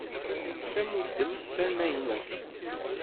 D tamudemt tamaynut.